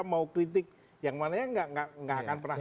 mau kritik yang mana ya gak akan pernah jelas